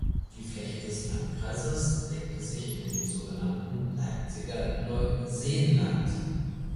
Die Fläche des Landkreises deckte sich mit dem so genannten „Leipziger Neuseenland“.